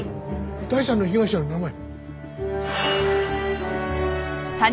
第三の被害者の名前。